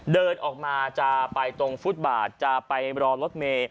เดินออกมาจะไปตรงฟุตบาทจะไปรอรถเมย์